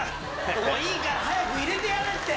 もういいから、早く入れてやれって。